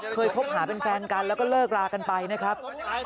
คบหาเป็นแฟนกันแล้วก็เลิกรากันไปนะครับ